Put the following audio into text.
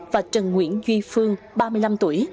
và trần nguyễn duy phương ba mươi năm tuổi